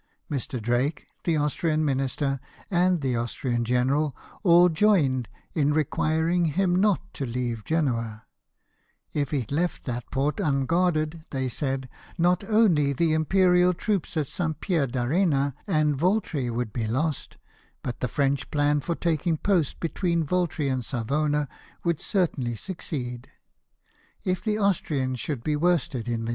Mr. Drake, the Austrian Minister, and the Austrian general, all joined in requirmg him not to leave Genoa; if he left that port unguarded, they said, not only the Imperial troops at St. Pier d' Arena and Yoltri would be lost, but the French plan for taking post between Voltri and Savona would certainly succeed : if the Austrians should be worsted in the 92 LIFE OF NELSON.